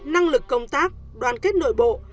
năng lực công tác đoàn kết nội bộ